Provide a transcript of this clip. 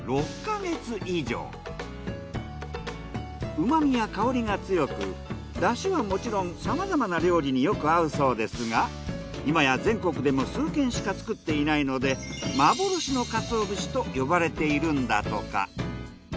うまみや香りが強くダシはもちろんさまざまな料理によく合うそうですが今や全国でも数軒しか作っていないので幻の鰹節と呼ばれているんだとか。